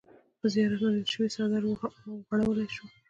په زيارت منلے شوے څادر اوغوړولے شو۔